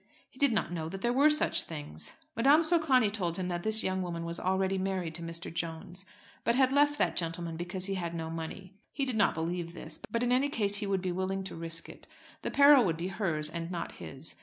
He did not know that there were such things. Madame Socani told him that this young woman was already married to Mr. Jones, but had left that gentleman because he had no money. He did not believe this; but in any case he would be willing to risk it. The peril would be hers and not his.